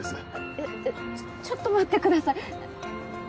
えっえっちょっと待ってください。